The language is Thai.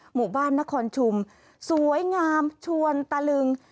หมู่บ้านนครชุมสวยงามชวนตะลึง